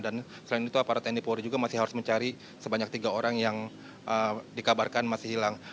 dan selain itu aparten di polri juga masih harus mencari sebanyak tiga orang yang dikabarkan masih hilang